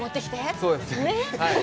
そうですね。